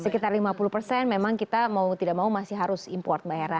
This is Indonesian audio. sekitar lima puluh persen memang kita mau tidak mau masih harus import mbak hera